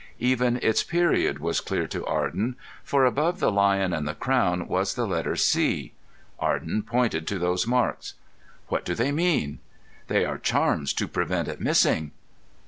Even its period was clear to Arden. For above the lion and the crown was the letter C. Arden pointed to those marks. "What do they mean?" "They are charms to prevent it missing."